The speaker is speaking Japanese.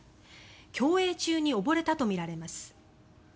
競泳中に溺れたとみられます。